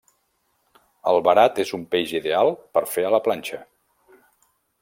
El verat és un peix ideal per fer a la planxa.